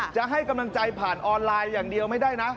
จะให้กำลังใจผ่านออนไลน์อย่างเดียวไม่ได้นะ